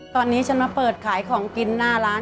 ตอนนี้ฉันมาเปิดขายของกินหน้าร้าน